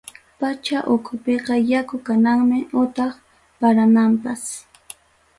Pacha ukupiqa yaku kananmi, utaq parananpas.